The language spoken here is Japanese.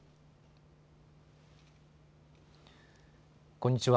こんにちは。